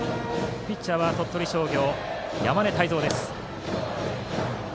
ピッチャーは鳥取商業山根汰三です。